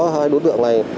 hai đối tượng này